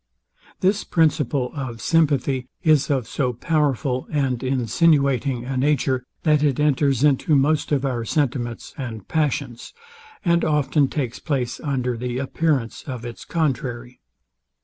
This principle of sympathy is of so powerful and insinuating a nature, that it enters into most of our sentiments and passions, and often takes place under the appearance of its contrary.